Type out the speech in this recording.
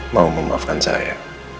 mau memaafkan saya